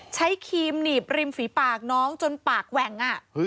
ครีมหนีบริมฝีปากน้องจนปากแหว่ง